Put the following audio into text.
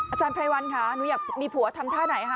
อาจารย์ไพรวันค่ะหนูอยากมีผัวทำท่าไหนคะ